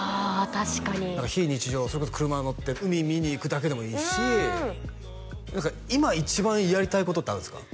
確かに何か非日常それこそ車乗って海見に行くだけでもいいし何か今一番やりたいことってあるんですか？